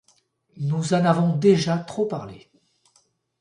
Nous en avons déjà trop parlé.